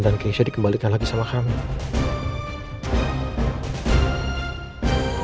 dan keisha dikembalikan lagi sama kami